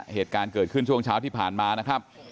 เหตุการณ์เกิดขึ้นช่วงเช้าที่ผ่านมานะครับ